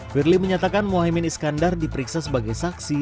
firly menyatakan mohaimin iskandar diperiksa sebagai saksi